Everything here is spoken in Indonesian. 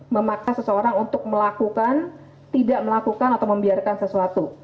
memaksa seseorang untuk melakukan tidak melakukan atau membiarkan sesuatu